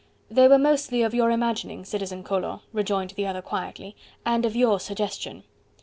"They were mostly of your imagining, Citizen Collot," rejoined the other quietly, "and of your suggestion."